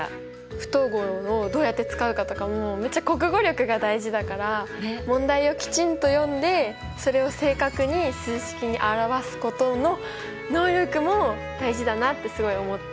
不等号をどうやって使うかとかもめっちゃ国語力が大事だから問題をきちんと読んでそれを正確に数式に表すことの能力も大事だなってすごい思った。